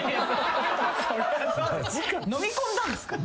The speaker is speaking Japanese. のみ込んだんですか？